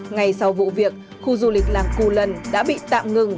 ngay sau vụ việc khu du lịch làng cù lần đã bị tạm ngừng